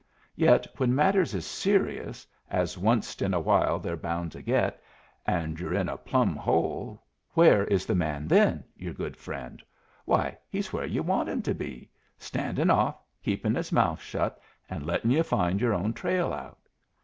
Yet when matters is serious, as onced in a while they're bound to get, and yu're in a plumb hole, where is the man then your good friend? Why, he's where yu' want him to be. Standin' off, keepin' his mouth shut, and lettin' yu' find your own trail out.